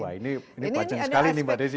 wah ini ini bacaan sekali nih pak desi